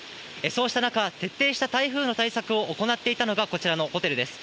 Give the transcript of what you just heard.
そうした中、徹底した台風の対策を行っていたのがこちらのホテルです。